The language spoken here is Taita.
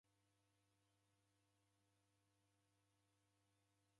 Mkotie ngera wabonyere huwo